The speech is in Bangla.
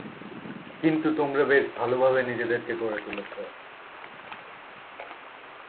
কিন্তু তোমরা বেশ ভালোভাবে নিজেদেরকে গড়ে তুলেছো।